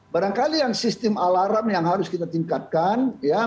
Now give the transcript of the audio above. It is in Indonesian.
barangkali yang sistem alarm yang harus kita tingkatkan